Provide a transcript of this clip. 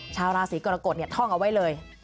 ชาวราศีกรกฎท่องเอาไว้เลย